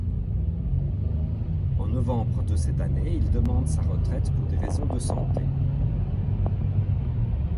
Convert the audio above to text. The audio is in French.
En novembre de cette année, il demande sa retraite pour des raisons de santé.